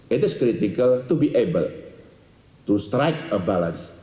itu kritis untuk dapat mengembangkan balas